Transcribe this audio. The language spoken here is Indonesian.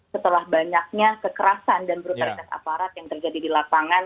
setelah banyaknya kekerasan dan brutalitas aparat yang terjadi di lapangan